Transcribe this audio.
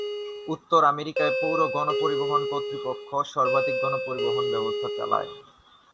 উত্তর আমেরিকায়, "পৌর গণপরিবহন কর্তৃপক্ষ" সর্বাধিক গণপরিবহন ব্যবস্থা চালায়।